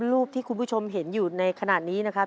รูปที่คุณผู้ชมเห็นอยู่ในขณะนี้นะครับ